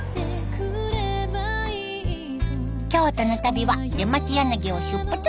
京都の旅は出町柳を出発。